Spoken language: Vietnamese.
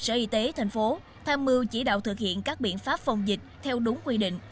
sở y tế thành phố tham mưu chỉ đạo thực hiện các biện pháp phòng dịch theo đúng quy định